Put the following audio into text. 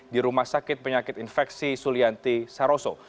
di rumah sakit penyakit infeksi sulianti saroso